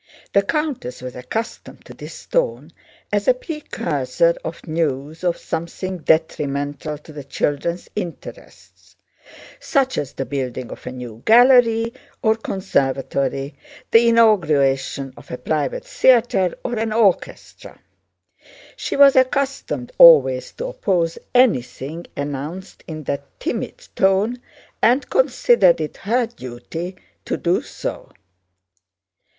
The countess was accustomed to this tone as a precursor of news of something detrimental to the children's interests, such as the building of a new gallery or conservatory, the inauguration of a private theater or an orchestra. She was accustomed always to oppose anything announced in that timid tone and considered it her duty to do so.